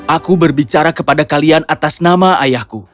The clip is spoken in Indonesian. aku berbicara kepada kalian atas nama ayahku